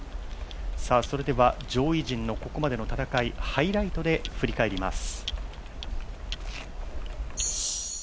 それでは上位陣のここまでの戦い、ハイライトで振り返ります